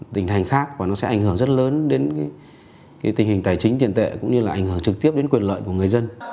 tình hình tài chính tiền tệ cũng như là ảnh hưởng trực tiếp đến quyền lợi của người dân